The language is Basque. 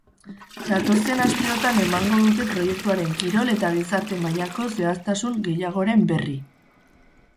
Datozen asteotan emango dute proiektuaren kirol eta gizarte mailako zehaztasun gehiagoren berri.